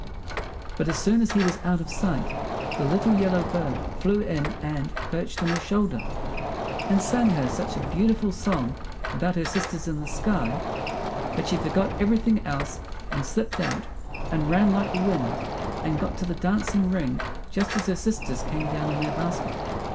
But as soon as he was out of sight the little yellow bird flew in and perched on her shoulder, and sang her such a beautiful song about her sisters in the sky that she forgot everything else and slipped out and ran like the wind, and got to the dancing ring just as her sisters came down in their basket.